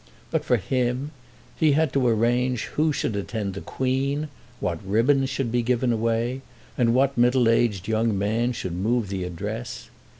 But for him, he had to arrange who should attend the Queen, what ribbons should be given away, and what middle aged young man should move the address.